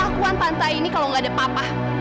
keakuan tante aini kalau nggak ada papa